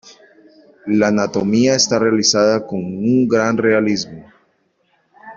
La anatomía está realizada con un gran realismo.